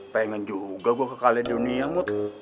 pengen juga gua ke kaledonia mut